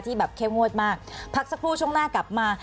แบบเข้มงวดมากพักสักครู่ช่วงหน้ากลับมา